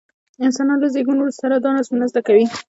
انسانان له زېږون سره دا نظمونه زده کوي.